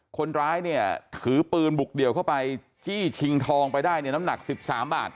คนร้ายเนี่ยถือปืนบุกเดี่ยวเข้าไปจี้ชิงทองไปได้เนี่ยน้ำหนัก๑๓บาท